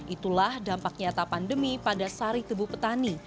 itulah dampak nyata pandemi pada sari tebu petani